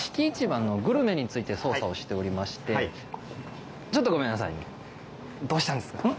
市場のグルメについて捜査をしておりましてちょっとごめんなさいねどうしたんですか？